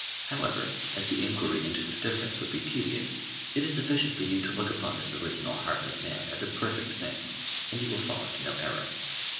However, as the inquiry into this difference would be tedious, it is sufficient for you to look upon this original heart of man as a perfect thing, and you will fall into no error.